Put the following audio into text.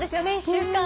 １週間。